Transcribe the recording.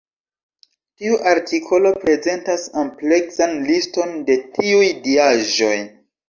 Tiu artikolo prezentas ampleksan liston de tiuj diaĵoj.